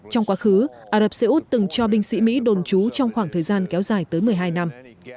trong quá khứ ả rập xê út từng cho binh sĩ mỹ đồn trú trong khoảng thời gian kéo dài tới một mươi hai năm